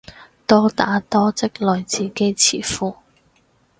多打多積累自己詞庫